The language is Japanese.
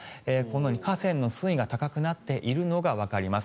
河川の水位が高くなっているのがわかります。